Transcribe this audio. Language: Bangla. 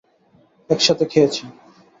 এক সাথে খেয়েছে।